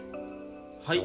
はい。